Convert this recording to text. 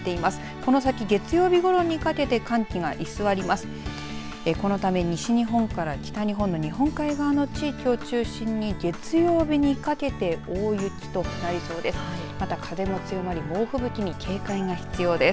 このため西日本から北日本の日本海側の地域を中心に月曜日にかけて大雪となりそうです。